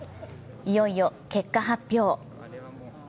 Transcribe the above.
いよいよ結果発表。